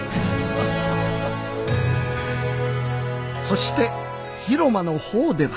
そして広間のほうでは。